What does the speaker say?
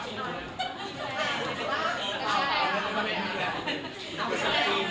มีแชท